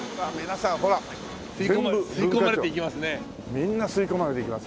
みんな吸い込まれていきます。